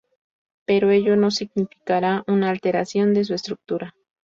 Pero ello no significará una alteración de su estructura.